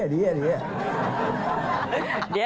เดี๋ยว